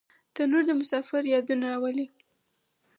تنور د مسافر یادونه راولي